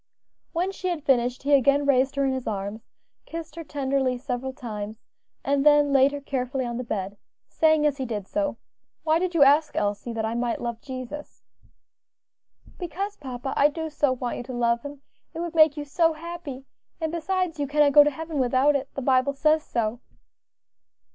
When she had finished, he again raised her in his arms, kissed her tenderly several times, and then laid her carefully on the bed, saying, as he did so, "Why did you ask, Elsie, that I might love Jesus?" "Because, papa, I do so want you to love Him; it would make you so happy; and besides, you cannot go to heaven without it; the Bible says so."